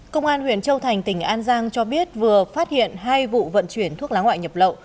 công an huyện châu thành tỉnh an giang cho biết vừa phát hiện hai vụ vận chuyển thuốc lá ngoại nhập lậu